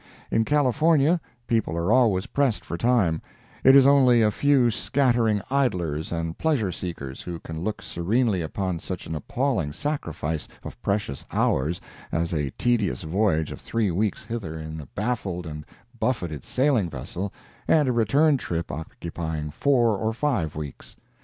In California people are always pressed for time; it is only a few scattering idlers and pleasure seekers who can look serenely upon such an appalling sacrifice of precious hours as a tedious voyage of three weeks hither in a baffled and buffeted sailing vessel and a return trip occupying four or five weeks.